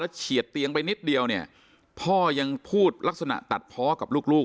เฉียดเตียงไปนิดเดียวเนี่ยพ่อยังพูดลักษณะตัดเพาะกับลูก